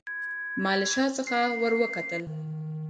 ما له شا څخه وروکتل.